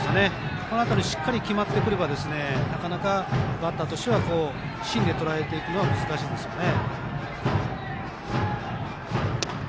この辺りしっかり決まればなかなかバッターとしては芯でとらえるのは難しいですよね。